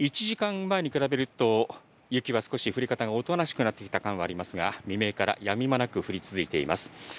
１時間前に比べると雪は少し降り方がおとなしくなってきた感はありますが未明からやみ間なく降り続いています。